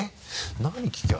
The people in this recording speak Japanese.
何聞けば。